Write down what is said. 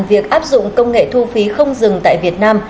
việc áp dụng công nghệ thu phí không dừng tại việt nam